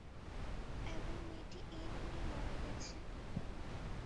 এবং মেয়েটি এই ঘরেই মারা গেছে।